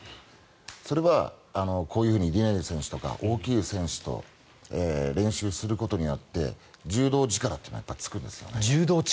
それはこういうふうにリネール選手とか大きい選手と練習することによって柔道力というのがつくんですよね。